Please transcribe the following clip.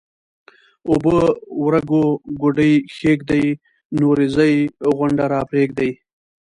اوبه ورګو ګوډي کښېږدئ ـ نورې ځئ غونډه راپرېږدئ